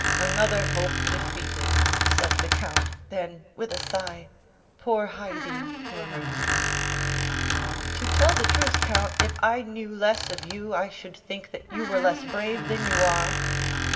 "Another hope defeated!" said the count. Then, with a sigh, "Poor Haydée!" murmured he. "To tell the truth, count, if I knew less of you, I should think that you were less brave than you are."